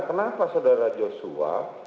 kenapa saudara joshua